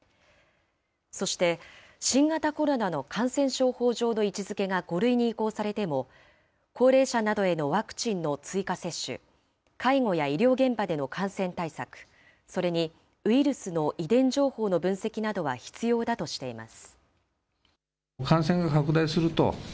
そして、新型コロナの感染症法上の位置づけが５類に移行されても、高齢者などへのワクチンの追加接種、介護や医療現場での感染対策、それにウイルスの遺伝情報の分析などは必要だとしています。